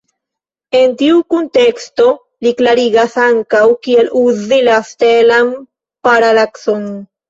En tiu kunteksto li klarigas ankaŭ, kiel uzi la stelan paralakson.